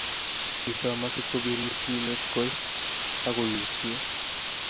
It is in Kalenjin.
kisom asikobirchi simet koi , aku yutie